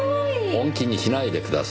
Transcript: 本気にしないでください。